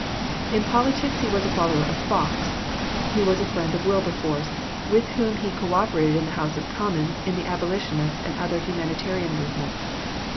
In politics he was a follower of Fox. He was a friend of Wilberforce, with whom he co operated in the House of Commons in the Abolitionist and other humanitarian movements.